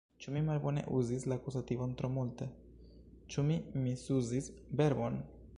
Ĉu mi malbone uzis la akuzativon tro multe, Ĉu mi misuzis verbon?